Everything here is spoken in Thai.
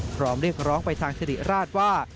พร้อมเรียกร้องไปทางสิริราชว่า